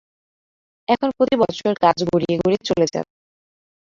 এখন প্রতি বৎসর কাজ গড়িয়ে গড়িয়ে চলে যাবে।